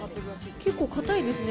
結構硬いですね。